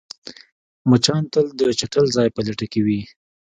مچان تل د چټل ځای په لټه کې وي